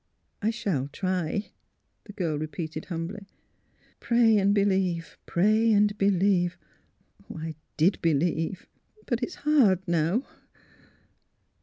" I shall try," the girl repeated, humbly. ^' Pray and believe. Pray and believe. Oh, I did believe; but it's hard, now!